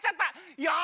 よし！